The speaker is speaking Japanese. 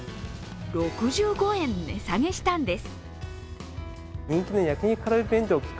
６５円値下げしたんです。